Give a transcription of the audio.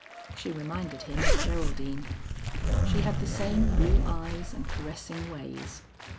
She reminded him of Geraldine. She had the same blue eyes and caressing ways.